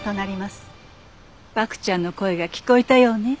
バクちゃんの声が聞こえたようね。